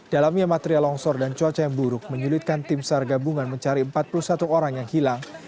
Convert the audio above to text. dalamnya material longsor dan cuaca yang buruk menyulitkan tim sar gabungan mencari empat puluh satu orang yang hilang